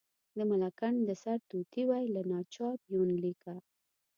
د ملکنډ د سرتوتي وی، له ناچاپ یونلیکه.